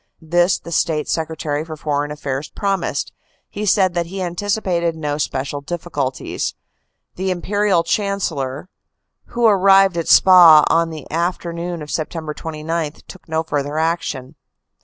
This the State Secretary for Foreign Affairs promised; he said that he anticipated no special difficulties. The Imperial Chancellor, who had arrived at Spa on the after noon of Sept. 29, took no further action.